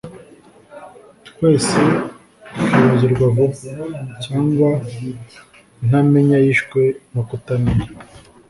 twese twibagirwa vuba, cyangwa intamenya yishwe no kutamenya